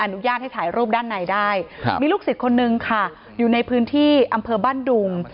อนุญาตให้ถ่ายรูปด้านในได้ครับมีลูกศิษย์คนนึงค่ะอยู่ในพื้นที่อำเภอบ้านดุง